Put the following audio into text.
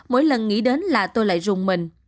mỗi lần nghĩ đến là tôi lại rùng mình